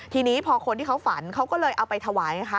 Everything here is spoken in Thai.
ทีนี้พอคนที่เขาฝันเขาก็เลยเอาไปถวายไงคะ